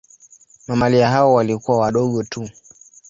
Mamalia hao walikuwa wadogo tu.